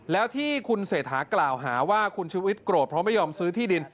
แล้วที่คุณเศรษฐากล่าวหาว่าคุณชุวิตโกรธเพราะไม่ยอมซื้อที่ดิน